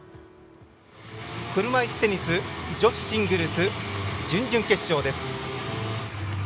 車いすテニス女子シングルス準々決勝です。